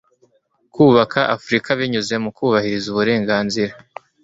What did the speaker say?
kubaka Afurika binyuze mu kubahiriza uburenganzira .